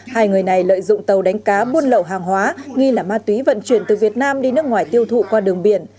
hai người này lợi dụng tàu đánh cá buôn lậu hàng hóa nghi là ma túy vận chuyển từ việt nam đi nước ngoài tiêu thụ qua đường biển